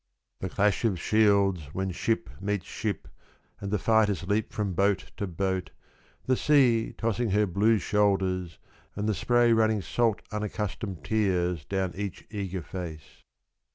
The clash of shields When ship meets ship And the fighters leap from boat to boat, The sea tossing her blue shoulders And the spray running salt unaccustomed tears Down each eager face.